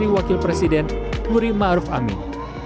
wakil presiden muri ma'ruf amin